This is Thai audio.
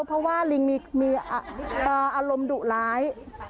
เพราะว่าลิงมีอารมณ์ดุร้าย